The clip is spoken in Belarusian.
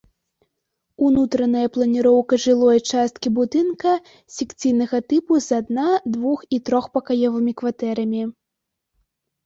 Унутраная планіроўка жылой часткі будынка секцыйнага тыпу з адна-, двух- і трохпакаёвымі кватэрамі.